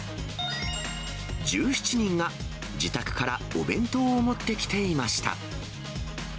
１７人が自宅からお弁当を持ってきていました。